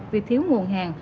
vì thiếu nguồn hàng